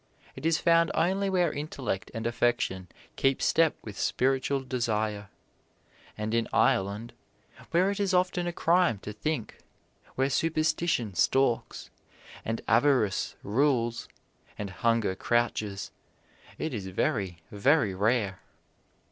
It is found only where intellect and affection keep step with spiritual desire; and in Ireland, where it is often a crime to think, where superstition stalks, and avarice rules, and hunger crouches, it is very, very rare.